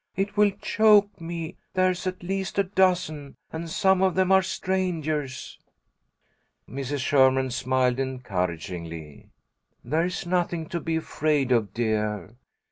It will choke me. There's at least a dozen, and some of them are strangers." Mrs. Sherman smiled, encouragingly. "There's nothing to be afraid of, dear.